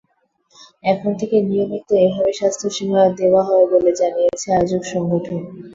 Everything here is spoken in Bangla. এখন থেকে নিয়মিত এভাবে স্বাস্থ্যসেবা দেওয়া হবে বলে জানিয়েছে আয়োজক সংগঠন।